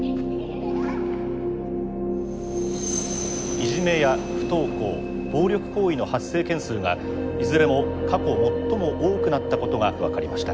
いじめや不登校暴力行為の発生件数がいずれも過去最も多くなったことが分かりました。